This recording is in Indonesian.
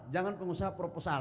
jangan pengusaha proposal